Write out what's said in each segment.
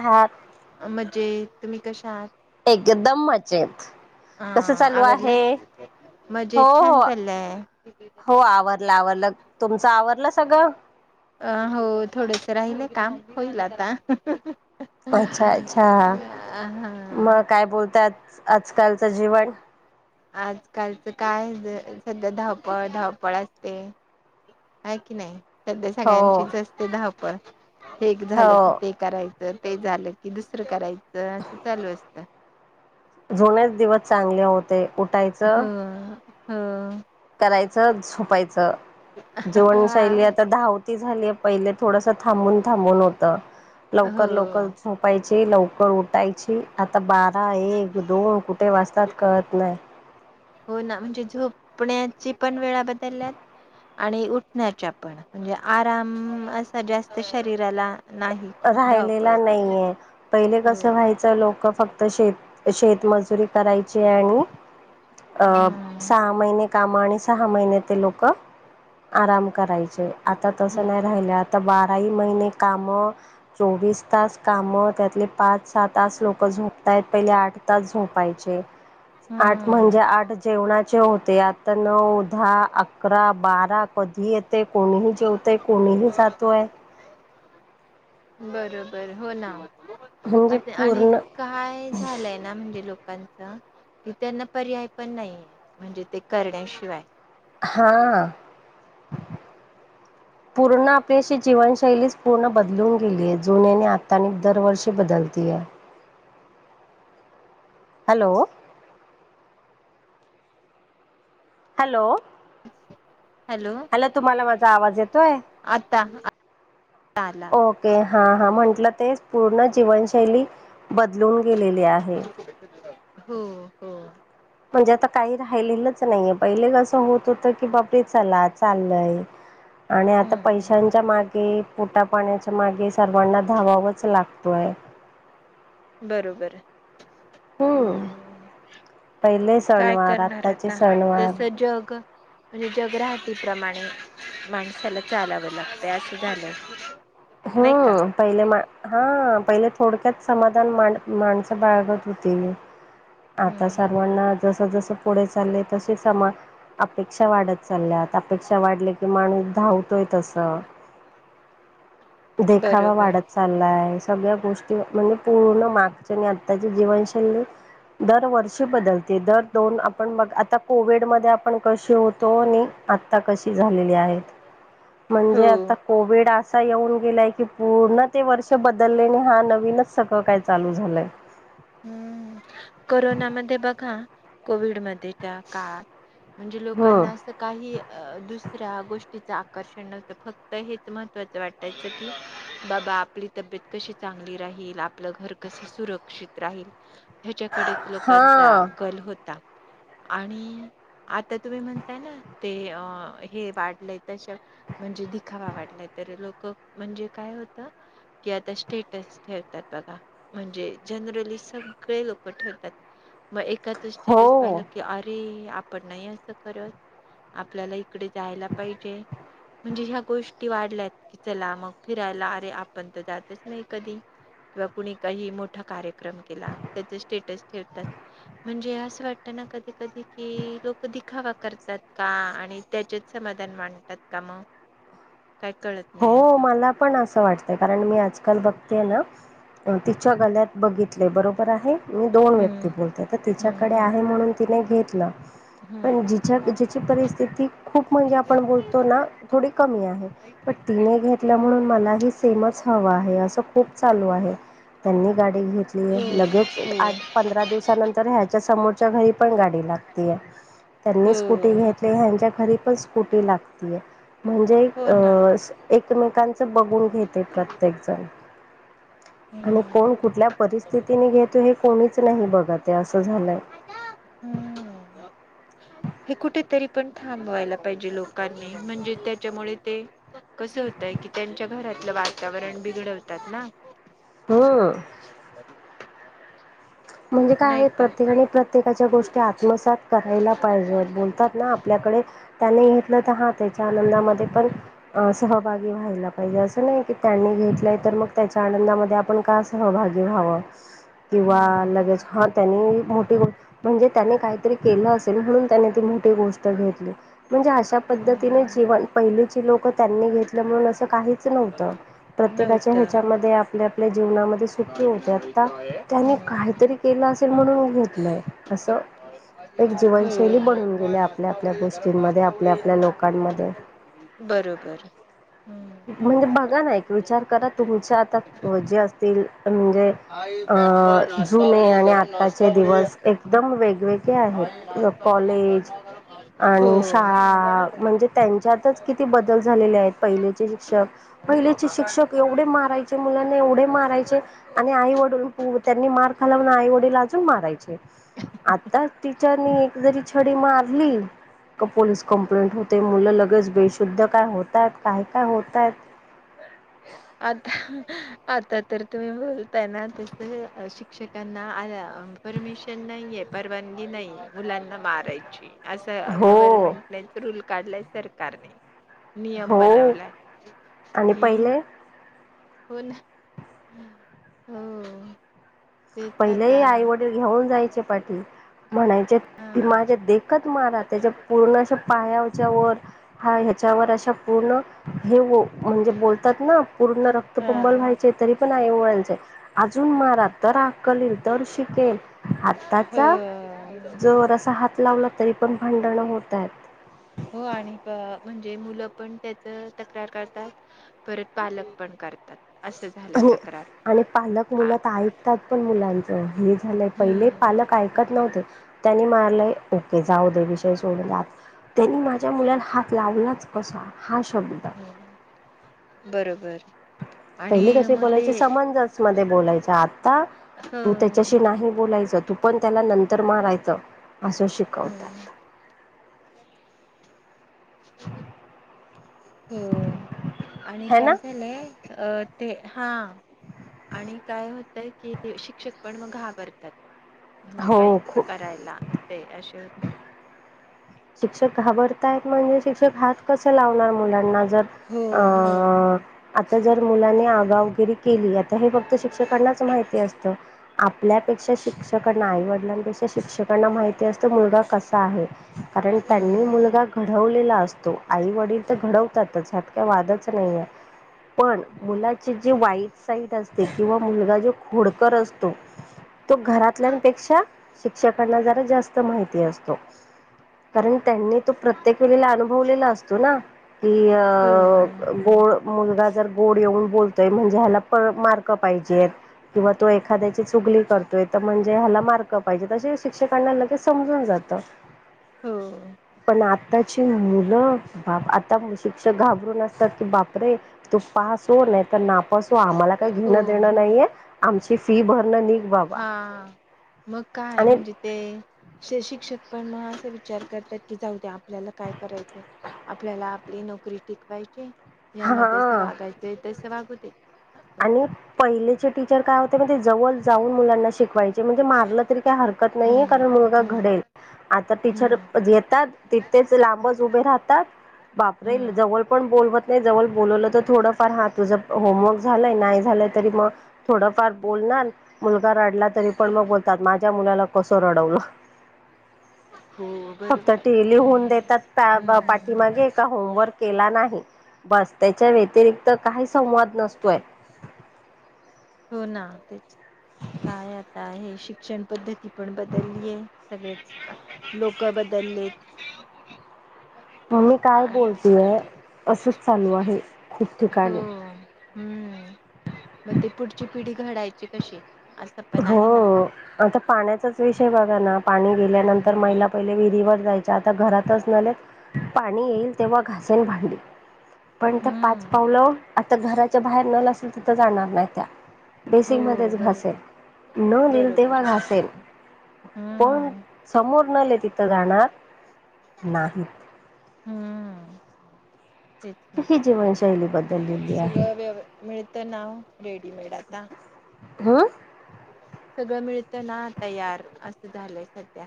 हा म्हणजे तुम्ही कशा आहात एकदम मजेत कसं चालू आहे हो मजेत छान हो चाललय हो आवरलं आवरलं तुमचं आवरलं सगळं अ हो थोडेस राहिले काम होईल आता अच्छा अच्छा हा मग काय बोलतात आजकालचं जीवन आजकालच काय ज सध्या धावपळ धावपळ असते आहे की नाही सध्या हो सगळ्यांचीच असते धहावपळ हे एक हो झालं कि ते करायचं ते झालं कि दुसरं करायचं असं चालू असत जुनेच दिवस चांगले होते हा उठायचं हा जायच हा जीवनशैली आताव झाली पहिले थोडस थांबून थांबून होत हो लवकर लवकर झोपायची लवकर उठायचे आता ब हा एक दोन कुठे वाजतात कळत नाही हो ना म्हणजे झोपण्याची पण वेळा बदलल्यात आणि उठण्याच्या पण म्हणजे आराम असा जास्त शरीराला नाही खूप राहिलेला धावपळ करावी. नाहीये पहिले हो. कसं व्हायचं लोक फक्त श शेतमजुरी करायची आणि हम्म सहा महिने काम आणि सहा महिने ते लोक आराम करायचे आता तसं नाही राहिल्यात तर बाराही महिने कामं चोवीस तास काम त्यातले पाच सहा तास लोक झोपतायत पहिले आठ तास झोपायचे आठ हम्म म्हणजे आठ जेवणाचे हो ते आता नऊ दहा अकरा बारा कधी येते कोणीही जेवते कोणीही तोय आहे बरोबर हो ना म्हणजे आता आणि पूर्ण काय झालंय ना म्हणजे लोकांच कि त्यांना पर्याय पण नाहीये म्हणजे ते करण्याशिवाय हा पूर्ण आपल्याशी जीवनशैलीच पूर्ण बदलून गेली जुन्याने आता आणि दरवर्षी बदल हॅलो हॅलो हॅलो अला तुम्हाला माझा आवाज येतोय आता आता आला ओके हा हा म्हंटलं ते पूर्ण जीवनशैली बदलून गेलेली आहे हो हो म्हणजे आता काही राहिलेलंच नाहीय पहिले कसं होत होत की बापरे चला चाललय आणि आता हम्म पैशांच्या मागे पोटा पाण्याच्या मागे सर्वांना धावावंच लागतं पय बरोबर आहे हम्म पहिले काय सणवार करणार आत्ताचे आता सणवार जसं जग म्हणजे जग्रहटीप्रमाणे माणसाला चालावं लागतंय असं झालं नाही का हम्म पहिले म हा पहिले थोडक्यात समाधान माण माणसं बाळगत होते आता हम्म सर्वांना जस जसं पुढे चालले तसे समा अपेक्षा वाढत चालल्यात अपेक्षा वाढले की माणूस धावतोय तस देखावा बरोबर वाढत चाललाय सगळ्या गोष्टी म्हणजे पूर्ण मागच्या आणि आत्ताची जीवनशैली दरवर्षी बदलते दर दोन आपण बघ आता कोविड म आपण कशी होतो आणि आता कशी झालेली आहेत हो म्हणजे आता कोविड असा येऊन गेलाय की पूर्ण ते वर्ष बदललेने हा नवीनच सगळं काय चालू झालंय हम्म कोविड म त्या काळात म्हणजे हम्म लोकांना असं काही दुसऱ्या गोष्टी आकर्षण नव्हतं फक्त हेच महत्वाचं वाटायचं की बाबा आपली तब्येत कशी चां च राही आपलं घर कस सुरक्षित राहील ह्याच्याकडेच लोकांचा हा कल होता आणि आता तुम्ही म्हणताय ना ते अ हे वाढलंय तश म्ह ावा वाटला लोक म्हणजे काय होत की आ स्टेट ठेतात बघा म्हणजे नली सग लोक ठात हो ए स पा की अरे नाही असं करत आपल्याला इकडे जायला पाहिजे म्हणजे ह्या गोष्टी वाढल्यात की चला मग फिरायला अरे आपण तर जातच नाही कधी किंवा कुणी काही मोठ मो कार्यक्रम केला त्याच स्टेटस ठेवतात म्हणजे असं वाटत ना कधी कधी की लोक दिखावा करतात का आणि त्याच्यात समाधान मांडतात का मग का हो मला पण असं वाटतंय कारण मी आज काल बघते ना तिच्या गळत बघितले बरोबर आहे मी दोन हम्म व्यक्ती बोलते तर हम्म तिच्याकडे हम्म. आहे म्हणून तिने घेतलं हम्म. पण जिच्या जिची परिस्थिती खूप म्हणजे आपण बोलतो ना थोडी कमी आहे पण तिने घेतल्या म्हणून मला ही सेमच हवा आहे असं खूप चालू आहे त्यांनी गाडी घेतली हो आहे लगेच आठ हो. पंधरा दिवसानंतर ह्याच्या समोरच्या घरी पण गाडी ी हो घ घरी पणी ला म्हणजे हो ना. अ एकमेकांचं बघून घेते प्रत्येक जण. आणि कोण हम्म कुठल्या. परिस्थितीनी घेतो हे कोणीच नाही बघ ते असं झालंय. हम्म. [unintelligible] हे कुठेतरी पण थांब वयला पाहिजे लोकांनी म्हणजे त्याच्यामुळे ते कस हो कि त्यांच्या घरातलं वातावरण बिघडवतात ना, हम्म. म्हणजे काय नाही आहे का प्रत्येकाने प्रत्येकाच्या गोष्टी आत्मसात करायला पाहिजेत बोलतात ना आपल्या डे त्याने तर हा त्याच्या आनंदामध्ये पण सहभागी व्हायला पाहिजे असं नाही की त्यांनी घेतलंय तर. मग त्याच्या आंदामध्ये आपण का सहभाग व्हाव किव्हा हम्म हा त्यांनी मोठी गोष्ट म्हणजे त्याने काहीतरी केलं असेल म्हणून त्याने ती मोठी गोष्ट घेतली. म्हणजे अशा पद्धतीने हम्म जीवन पहिलीची लोकं त्यांनी घेतलं म्हणून असं काहीच नव्हतं. प्रत्येकाच्या नव्हता. ह्याच्यामध्ये आपल्या आपल्या जीवनामध्ये सुखी होते हम्म. आता त्यानी काहीतरी केलं असेल म्हणून घेतलंय असं. एक जीवनशैली बनून गेले आपल्या आपल्या गोष्टींमध्ये आपल्या आपल्या लोकांमध्ये बरोबर हम्म. म्हणजे बघा ना एक विचार करा तुमच्या आता जे असतील म्हणजे आई ब्रेकफास्ट जुने नाश्तावली आणि गरम आत्ताचे नाश्तावली दिवस एकदम वेगवेगळे आई आहेत नाश्तावली कॉलेज गरमागरम नाश्तावली. आणि हो. शाळा म्हणजे त्यांच्यातच किती बदल झालेले आहेत पहिलेचे श पहिलेचे शिक्षक एवढे मारायचे मुलांना एवढे मारायचे आणि आई वडून प त्यांनी मार खालव आईवडीीलला अजून मारायचे आता टीचरनीरी छडी म ली पोलीस कंप्लेंट होते मुलं लगेच बेशुद्ध काय होतात काय का होतायत. आता आता तर तुम्ही बोलताय ना तस शिक्षकांना आल्या परमिशन नाहीये, परवानगी नाही, मुलांना मारायची असं हो गव्हर्मेंटनेच रूल काढलाय सरकारने नियम हो बनवलाय आणि कि पहिले हो ना हो तेच आता पहिलेही आई वडील घेऊन जायचे पाठी. म्हणायचे हा की माझ्या देखत मार त्याच्या पूर्णश पायाच्या व हा ह्याच्यावर अशा पूर्ण हे व, म्हणजे बोलतात ना पूर्ण हा रक्तबबल व्हायचे तरी पण आई वयचे अजून मारात अक्कल येईल तर शिकेल आताचा. हो जोरा हात लावला तरी पण भांडण होत आहेत. े मुलं पण त्याच तक्रार करतात परत पालक पण करतात. झाले आणि तक्रार आणि पालक आ मुलात ऐकतात पण मुलांचं हे झालंय पहिले पालक हम्म ऐकत हम्म नव्हते. त्यांनी मारलंय ओके जाऊ दे विषय सोडलात त्यांनी माझ्या मुलाला हात लावलाच कसा? हा शब्द हम्म बरोबर आणि पहिली कशी मग ते बोलायची समंजस मध्ये बोलायच्या आता. ह तू त्याच्याशी नाही बोलायचं. तू पण त्याला नंतर मारायचं असं ह शिकवतात. हो आणि है काय ना झालंय अ ते हा आणि काय होतंय की शिक्षक पण मग घाबरतात म्हणजे काही हो खूप करायला ते असे होते. शिक्षक घाबरतायत म्हणजे, ह क मु ज हो हो आ मुा [inaudible] वग केली आता हे फक्त शिक्षकांनाच माहिती असत. आपल्यापेक्षा शिक्षक नाहीवडला शिक्षकांना माहिती असतं मुलगा कसा आहे कारण त्यांनी हम्म मुलगा घडवलेला असतो आई वडील तर घडवतातच ह्यात का वादच नाही आहे पण मुलाचे जे वाईट साईट असते किंवा मुलगा जो खोडकर असतो तो घरातल्यापेक्षा शिक्षकांना जरा जास्त माहिती असतो कारण त्यांनी तो प्रत्येक वेळेला अनुभवलेला असतो ना की हो अ गोड मुलगा जर गोड येऊन बोलतोय म्हणजे ह्याला प मारक पाहिजे किंवा तो एखाद्याची चुगली करतोय तर म्हणजे ह्याला मार्क पाहिजे तशी काणार ले समजून जात हो पण आताची मुलं बा आता शिक्षक घाबरून असतात की बाप रे तू पास नाहीत नापास आम्हाला काही हो घेणं देणं नाहीये आमची फी भरणं न हा मग काय म्हणजे ते शिक्षक पण मग असे विचार करतात की जाऊ द्या आपल्याला काय करायचं आपल्याला आपली नोकरी टिकवायची यांना जसे हा वागायचे तसे वागू दे आणि पहिलेचे टीचर काय होते म्हण ते जवळ जाऊन मुलांना शिकवायचे म्हणज ण मारलं तरी काय हरकत नाहीये हम्म कारण मुलगा हम्म घडेल आता टीचर हम्म येतात तिथेच लांबच उभे राहतात बापर येईल हम्म जवळ पण बोलवत नाही जवळ बोलवलं तर थोडंफार हा तुझं होमवर्क झा नाही झालं तरी मग थोड फार बणार मुलगाडला तरी पण मग बत मा मुलाला कसं रडवलं हो फक्त बरोबर टली आहे होऊन देतात हम्म हम्म हम्म हम्म पाठीमागे का होमवर्क नाही ब त्याच्या व्यतिरिक् काही सं हो ना तेच काय आता हे शिक शिक्षण पद्धती पण बदलली आहे सगळेच लोक बदल दलित म मी काय बोलतोय असंच चालू आहे कठकाणी हम्म मग ते पुढची पिढी घडायची कशी असं पण हो आहे ना आता पाण्याचाच विषय बघा ना पाणी गेल्यानंतर हम्म महिला पहिले वि जायच्या आता घरातच नत पाणी येईल तेव्हा घासण भांली पण त्या पाच हम्म पावलं आता घराच्या बाहेर नल असल तिथं जाणार नाही त्या हो बेसिंग मध्येच बरो भासल न देल बरोबर तेव्हा आहे. घासेल पण हम्म समोर नले तिथं जाणार नाही हम्म तेच ना ही जीवनशैली बदललेली आहे सगळं व्यव मिळत नाव रेडीमेड आता हा सगळं मिळतं ना आता यार असं झालंय सध्या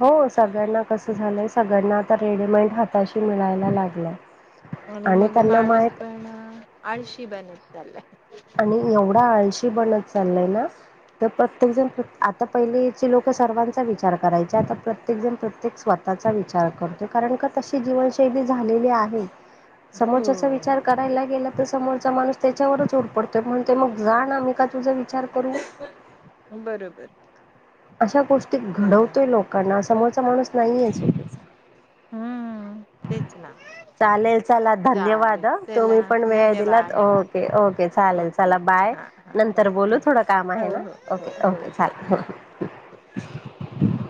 हो सगळ्यांना कसं झालंय सगळ्यांना आता रेडीमेड हाताशी मिळायला लागलंय आणि मग त्यांना माणूस माहित पण आळशी बनत चाललाय आणि एवढा आळशी बनत चाललाय ना तर प्रत्येक जण आता पहिलीचे लोक सर्वांचा विचार करायचे आता प्रत्येक जण प्रत्येक स्वतः स्चा विचार करतो कारण का तशी जीवनशैली झालेली आहे हो समोरचा विचार करायला गेला तर समोरचा माणूस त्याच्यावरच उरतो म्हणून ते मग जा ना मी का तुझा विचार करू बरोबर अशा गोष्टी चला घडवतोय लोकांना समोरचा माणूस नाहीेचतचा हम्म तेच ना चालेल चला धन्यवाद चालेल तुम्ही चला पण वेळ दिलात धन्यवाद ओके ओके चालेल ओके चला बाय हां हां नंतर बाय बोलू थोडं धन्यवाद काम आहे हो ना हो ओके हो ओके हां चाले [inaudible]